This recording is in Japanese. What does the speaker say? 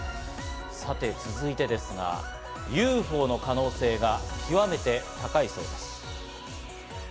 さて続いてですが、ＵＦＯの可能性が極めて高いそうです。